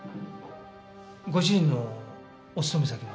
ご主人のお勤め先は？